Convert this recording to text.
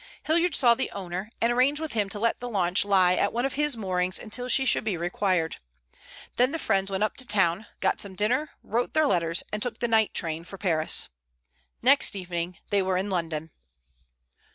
Hilliard saw the owner, and arranged with him to let the launch lie at one of his moorings until she should be required. Then the friends went up town, got some dinner, wrote their letters, and took the night train for Paris. Next evening they were in London.